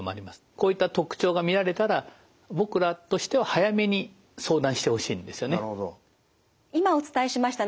こういった特徴が見られたら僕らとしては早めに相談してほしいんですよね。